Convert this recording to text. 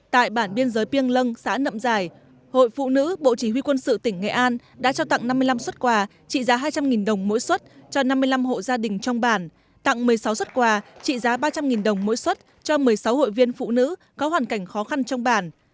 tại bản biên giới piêng lân xã nậm giải hội phụ nữ bộ chỉ huy quân sự tỉnh nghệ an đã trao tặng năm mươi năm xuất quà trị giá hai trăm linh đồng mỗi xuất cho năm mươi năm hộ gia đình trong bản tặng một mươi sáu xuất quà trị giá ba trăm linh đồng mỗi xuất cho một mươi sáu hội viên phụ nữ có hoàn cảnh khó khăn trong bản